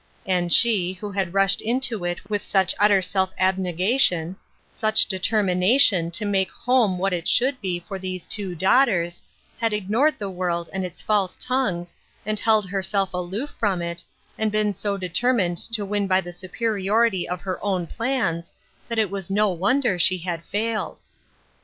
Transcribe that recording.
And she, who had rushed into it with such utter self abnegation, such determination to make home what it should be for these two daughters, had ignored the world and its false tongues, had held herself aloof from it, and been so determined to win by the superiority of her own plans, that it was no wonder she had failed.